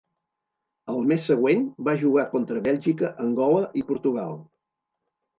El mes següent va jugar contra Bèlgica, Angola i Portugal.